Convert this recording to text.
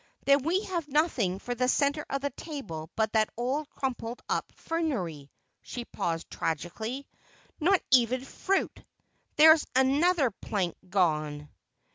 "Then we have nothing for the center of the table but that old crumpled up fernery," she paused tragically. "Not even fruit! There's another plank gone."